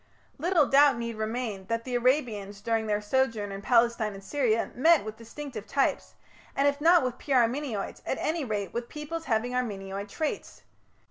Little doubt need remain that the Arabians during their sojourn in Palestine and Syria met with distinctive types, and if not with pure Armenoids, at any rate with peoples having Armenoid traits.